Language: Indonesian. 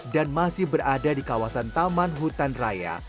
dan masih berada di kawasan taman hutan raya